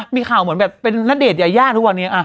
มีข่าวเหมือนแบบเป็นณเดชน์ยายาทุกวันนี้